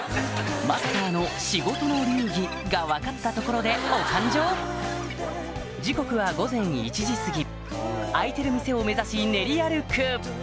マスターの仕事の流儀が分かったところでお勘定時刻は午前１時過ぎ開いてる店を目指し練り歩く